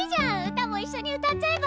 歌もいっしょに歌っちゃえば？